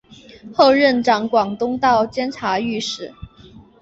后任掌广东道监察御史。